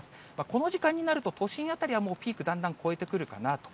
この時間になると、都心辺りはもうピーク、だんだん超えてくるかなと。